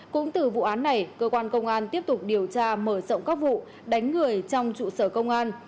cũng từ vụ án này cơ quan công an tiếp tục điều tra mở rộng các vụ đánh người trong trụ sở công an